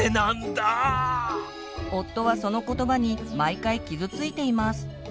夫はその言葉に毎回傷ついています。